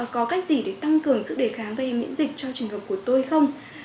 có cách gì để tăng cường sức đề kháng về miễn dịch cho trường hợp của tôi không